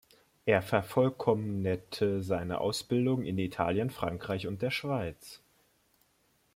Er vervollkommnete seine Ausbildung in Italien, Frankreich und der Schweiz.